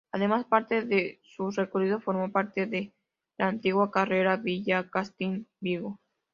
Además, parte de su recorrido formó parte de la antigua carretera Villacastín-Vigo.